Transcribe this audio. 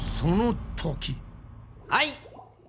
はい！